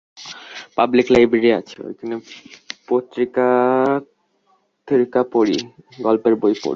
Public library আছে, ঐখানে পত্রিকাটত্রিকা পড়ি, গল্পের বই পড়ি।